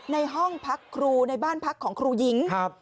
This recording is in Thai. ในห้องพักครูในบ้านพักของครูหญิงครับ